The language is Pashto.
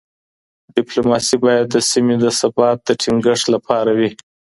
ډیپلوماسي باید د سیمي د ثبات د ټینګښت لپاره وي.